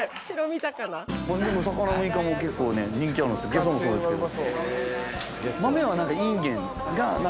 ゲソもそうですけど。